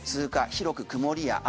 広く曇りや雨。